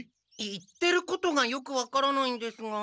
言ってることがよく分からないんですが。